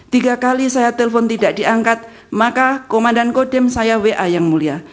tiga kali saya telepon tidak diangkat maka komandan kodem saya wa yang mulia